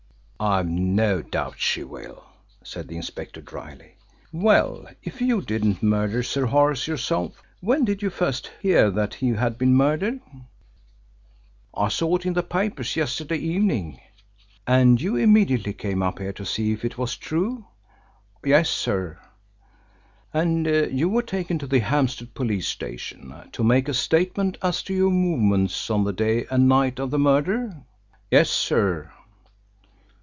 "I've no doubt she will," said the inspector drily. "Well, if you didn't murder Sir Horace yourself when did you first hear that he had been murdered?" "I saw it in the papers yesterday evening." "And you immediately came up here to see if it was true?" "Yes, sir." "And you were taken to the Hampstead Police Station to make a statement as to your movements on the day and night of the murder?" "Yes, sir."